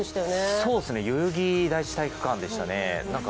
そうですね、代々木第一体育館でしたね。